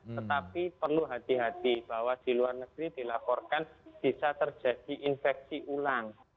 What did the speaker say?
tetapi perlu hati hati bahwa di luar negeri dilaporkan bisa terjadi infeksi ulang